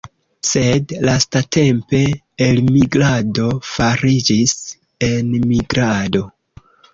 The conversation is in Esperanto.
Sed lastatempe elmigrado fariĝis enmigrado.